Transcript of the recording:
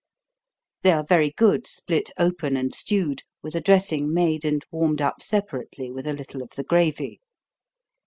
They are very good split open and stewed, with a dressing made and warmed up separately with a little of the gravy.